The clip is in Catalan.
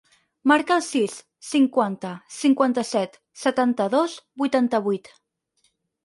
Marca el sis, cinquanta, cinquanta-set, setanta-dos, vuitanta-vuit.